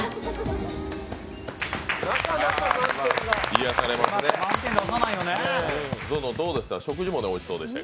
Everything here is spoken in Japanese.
癒やされますね。